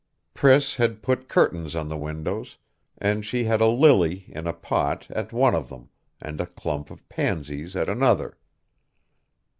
Priss had put curtains on the windows; and she had a lily, in a pot, at one of them, and a clump of pansies at another.